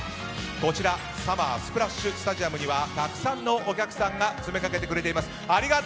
こちら、ＳＵＭＭＥＲＳＰＬＡＳＨスタジアムにはたくさんのお客さんが詰めかけてくれています。